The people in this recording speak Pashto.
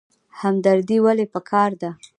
همدردي ولې پکار ده؟